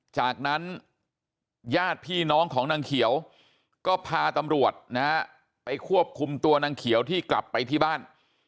จากนั้นญาติพี่น้องของนางเขียวก็พาตำรวจนะฮะไปควบคุมตัวนางเขียวที่กลับไปที่บ้าน